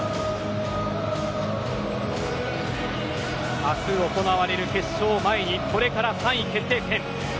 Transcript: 明日行われる決勝を前にこれから３位決定戦。